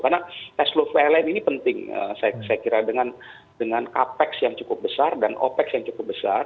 karena cash flow pln ini penting saya kira dengan capex yang cukup besar dan opex yang cukup besar